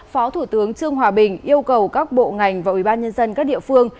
phó thủ tướng trương hòa bình yêu cầu các bộ ngành và ubnd các địa phương